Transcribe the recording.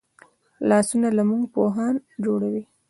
لاسونه له موږ پوهان جوړوي